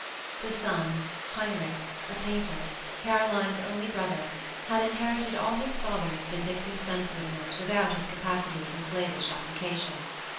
The son, Heinrich, a painter, Caroline's only brother, had inherited all his father's vindictive sensitiveness without his capacity for slavish application.